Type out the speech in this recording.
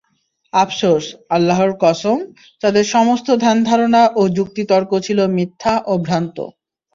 আফসোস, আল্লাহর কসম, তাদের সমস্ত ধ্যান-ধারণা ও যুক্তি-তর্ক ছিল মিথ্যা ও ভ্রান্ত।